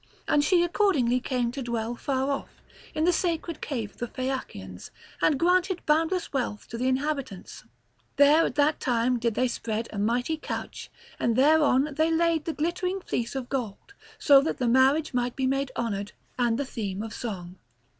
And she accordingly came to dwell far off, in the sacred cave of the Phaeacians, and granted boundless wealth to the inhabitants. There at that time did they spread a mighty couch; and thereon they laid the glittering fleece of gold, that so the marriage might be made honoured and the theme of song.